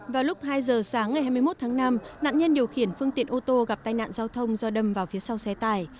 vào lúc hai giờ sáng ngày hai mươi một tháng năm nạn nhân điều khiển phương tiện ô tô gặp tai nạn giao thông do đâm vào phía sau xe tải